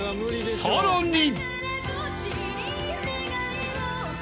さらに］